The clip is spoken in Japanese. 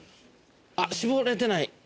あっ絞れてない。